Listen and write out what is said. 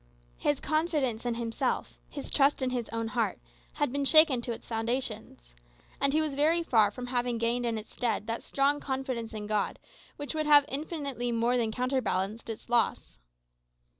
His confidence in himself, his trust in his own heart, had been shaken to its foundations. And he was very far from having gained in its stead that strong confidence in God which would have infinitely more than counter balanced its loss.